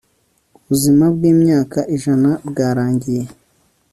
Ubuzima bwimyaka ijana bwarangiye